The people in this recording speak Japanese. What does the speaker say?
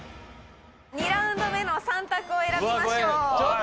２ラウンド目の３択を選びましょう！